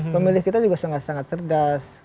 pemilih kita juga sangat cerdas